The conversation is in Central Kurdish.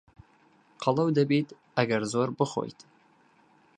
قەڵەو دەبیت ئەگەر زۆر بخۆیت.